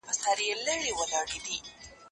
هغه څوک چي چپنه پاکوي منظم وي؟!